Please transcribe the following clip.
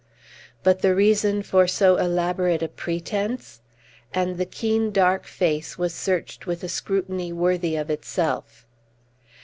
"But the reason for so elaborate a pretence?" And the keen, dark face was searched with a scrutiny worthy of itself.